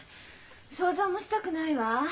想像もしたくないわ。